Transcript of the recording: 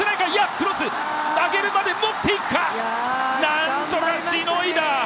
なんとかしのいだ！